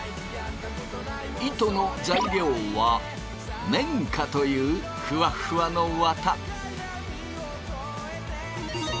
糸の材料は綿花というふわふわの綿。